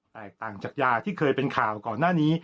แตกต่างจากยาที่เคยเป็นข่าวก่อนหน้านี้